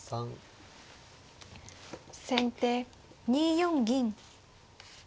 先手２四銀。